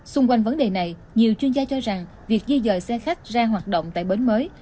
xung quanh vấn đề này nhiều chuyên gia cho rằng việc di dời xe khách ra hoạt động tại bến mới